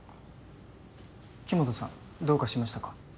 黄本さんどうかしましたか？